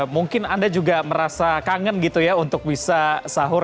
mungkin anda juga merasa kangen gitu ya untuk bisa sahur